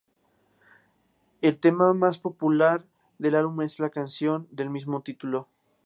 El tema más popular del álbum es la canción del mismo título.